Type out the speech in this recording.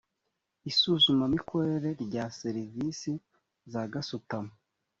isuzumamikorere rya serivisi za gasutamo